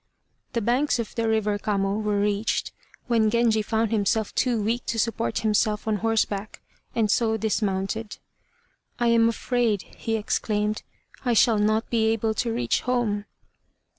The banks of the river Kamo were reached, when Genji found himself too weak to support himself on horseback, and so dismounted. "I am afraid," he exclaimed, "I shall not be able to reach home."